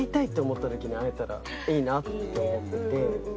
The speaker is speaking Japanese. いいなって思ってて。